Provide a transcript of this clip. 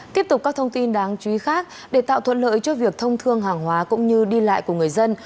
tiếp tục các thông tin đáng chú ý khác để tạo thuận lợi cho việc thông thương hàng hóa cũng như đi lại của người dân